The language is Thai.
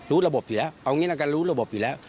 รู้ระบบอยู่แล้วเอางี้น่ะกันรู้ระบบอยู่แล้ว